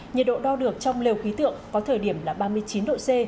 nhiệt độ đo được trong lều khí tượng có thời điểm là ba mươi chín độ c